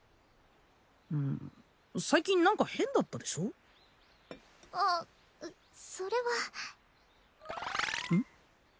うん最近何か変だったでしょあっそれはうん？